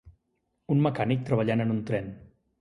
Un mecànic treballant en un tren.